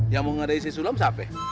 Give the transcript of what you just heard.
yang mau ngadai si sulam siapa